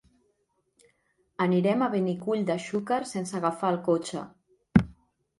Anirem a Benicull de Xúquer sense agafar el cotxe.